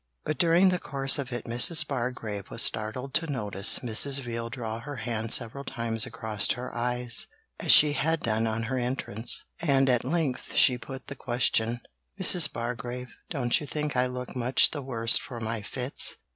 But during the course of it Mrs. Bargrave was startled to notice Mrs. Veal draw her hand several times across her eyes (as she had done on her entrance), and at length she put the question, 'Mrs. Bargrave, don't you think I look much the worse for my fits?'